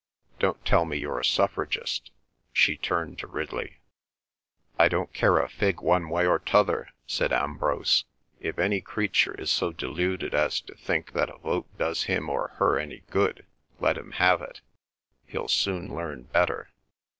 "Don't tell me you're a suffragist?" she turned to Ridley. "I don't care a fig one way or t'other," said Ambrose. "If any creature is so deluded as to think that a vote does him or her any good, let him have it. He'll soon learn better."